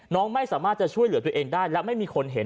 น้องไม่สามารถจะช่วยเหลือตัวเองได้และไม่มีคนเห็น